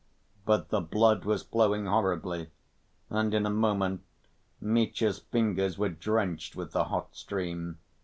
But the blood was flowing horribly; and in a moment Mitya's fingers were drenched with the hot stream.